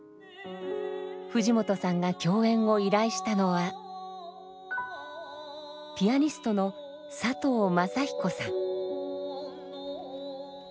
藤本さんが共演を依頼したのはピアニストの佐藤允彦さん。